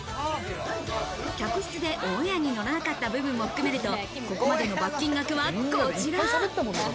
客室でオンエアに乗らなかった部分も含めるとここまでの罰金額はこちら。